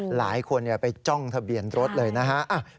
หลายคนไปจ้องทะเบียนรถเลยนะฮะ